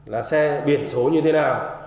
là xe biển số như thế nào